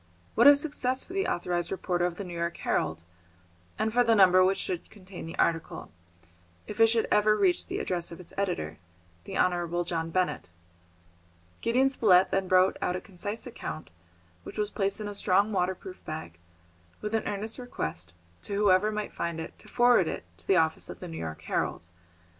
What a success for the authorised reporter of the New York Herald, and for the number which should contain the article, if it should ever reach the address of its editor, the Honourable John Benett! Gideon Spilett then wrote out a concise account, which was placed in a strong waterproof bag, with an earnest request to whoever might find it to forward it to the office of the New York Herald.